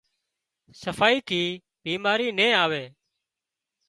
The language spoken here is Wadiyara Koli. صفائي ٿي بيماري نين آووي